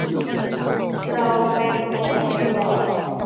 เราเป็นกบในบ่อ